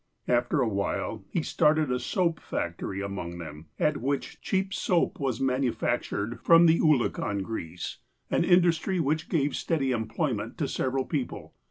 After a while, he started a soap factory among them, at which cheap soap was manufactured from the oolakan grease, an industry which gave steady employment to several people.